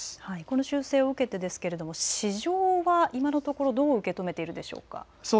この修正を受けて市場は今のところどう受け止めているでしょうか。